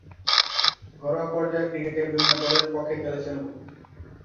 ঘরোয়া পর্যায়ের ক্রিকেটে বিভিন্ন দলের পক্ষে খেলেছেন তিনি।